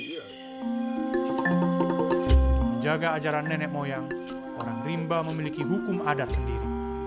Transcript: untuk menjaga ajaran nenek moyang orang rimba memiliki hukum adat sendiri